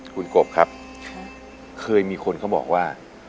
คุณกบครับเคยมีคนเขาบอกว่า